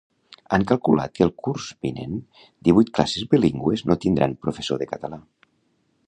Han calculat que el curs vinent divuit classes bilingües no tindran professor de català